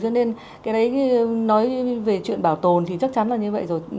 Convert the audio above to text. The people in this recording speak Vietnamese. cho nên cái đấy nói về chuyện bảo tồn thì chắc chắn là như vậy rồi